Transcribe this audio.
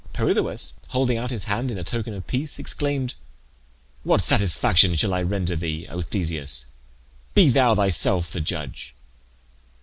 Pirithoeus, holding out his hand in token of peace, exclaimed, "What satisfaction shall I render thee, oh Theseus? Be thou thyself the judge."